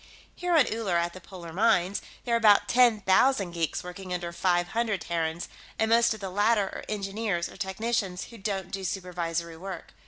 Here on Uller, at the polar mines, there are about ten thousand geeks working under five hundred Terrans, and most of the latter are engineers or technicians who don't do supervisory work.